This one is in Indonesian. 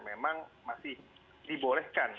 memang masih dibolehkan